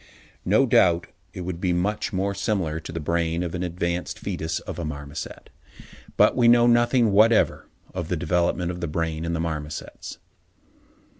No doubt it would be much more similar to the brain of an advanced foetus of a marmoset. But we know nothing whatever of the development of the brain in the marmosets.